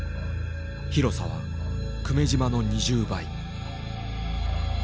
広さは久米島の２０倍。